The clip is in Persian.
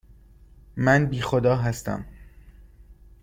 من بی خدا هستم.